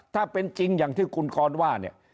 ถ้าเป็นจริงอย่างที่คุณกรว่าเนี่ย